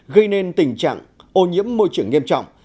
gây nên tình trạng ô nhiễm môi trường nghiêm trọng